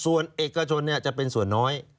ส่วนเอกชนจะเป็นส่วนน้อย